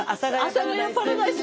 阿佐ヶ谷パラダイス。